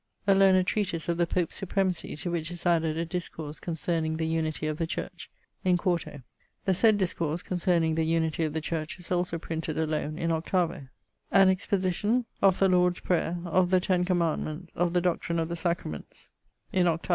A learned treatise of the Pope's supremacy, to which is added a discourse concerning the unity of the church; in 4to. The sayd discourse concerning the Unity of the Church is also printed alone in 8vo. An exposition of the Lord's Prayer, of the Ten Commandments, of the doctrine of the Sacraments; in 8vo.